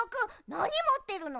なにもってるの？